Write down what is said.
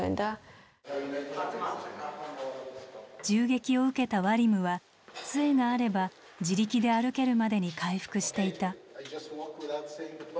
銃撃を受けたワリムは杖があれば自力で歩けるまでに回復していた。